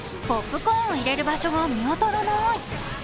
ポップコーン入れる場所が見当たらない！